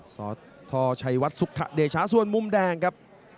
สทชัยวัดสุขะเดชาส่วนมุมแดงครับ